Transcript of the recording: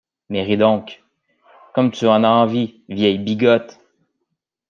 Mais ris donc, comme tu en as envie, vieille bigote!